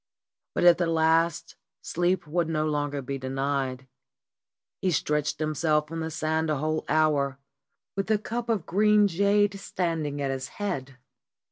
But at the last sleep would no longer be denied. He stretched himself on the sand a whole hour, with the cup of green jade standing at his head.